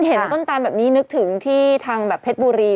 เห็นต้นตานแบบนี้นึกถึงที่ทางแบบเพชรบุรี